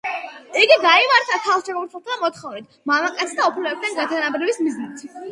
იგი გაიმართა ქალ ჩოგბურთელთა მოთხოვნით მამაკაცთა უფლებებთან გათანაბრების მიზნით.